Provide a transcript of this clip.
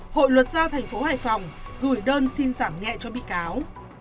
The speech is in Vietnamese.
hội luật gia thành phố hải phòng gửi đơn xin giảm nhẹ cho bị cáo